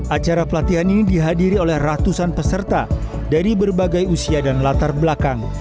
acara pelatihan ini dihadiri oleh ratusan peserta dari berbagai usia dan latar belakang